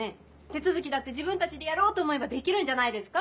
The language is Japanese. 手続きだって自分たちでやろうと思えばできるんじゃないですか？